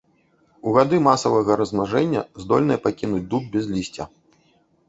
У гады масавага размнажэння здольныя пакінуць дуб без лісця.